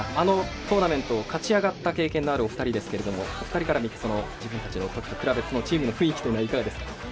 トーナメント勝ち上がった経験のあるお二人ですけどお二人から見て自分たちの時と比べてチームの雰囲気はいかがですか？